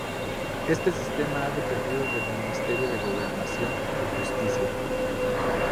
Este sistema ha dependido del Ministerio de Gobernación y Justicia.